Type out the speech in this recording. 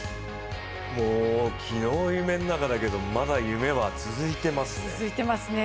昨日、夢の中だけどまだ夢は続いていますね。